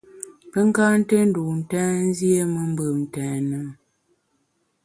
Pe ka nté ndun ntèn, nziéme mbùm ntèn e ?